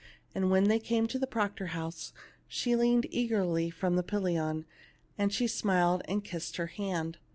And when they came to the Proctor house she leaned eagerly from the pillion, and she smiled and kissed her hand.